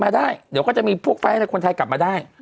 เดี๋ยวก็จะมีพวกไฟให้คนไทยกลับมาได้